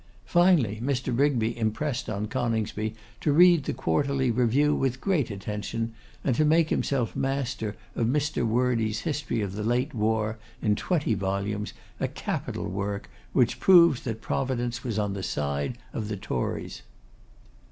Finally, Mr. Rigby impressed on Coningsby to read the Quarterly Review with great attention; and to make himself master of Mr. Wordy's History of the late War, in twenty volumes, a capital work, which proves that Providence was on the side of the Tories.